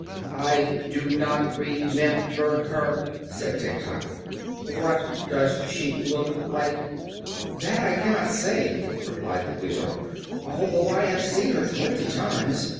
"I do not re mem ber her," said Tiktok. "What does she look like?" "That I cannot say," replied the Wheeler, "although I have seen her twenty times.